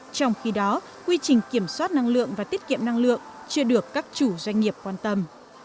trong khi đó quy trình kiểm soát năng lượng và tiết kiệm năng lượng chưa được các chủ doanh nghiệp quan tâm